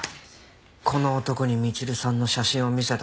この男にみちるさんの写真を見せたところ。